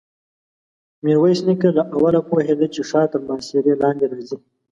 ميرويس نيکه له اوله پوهېده چې ښار تر محاصرې لاندې راځي.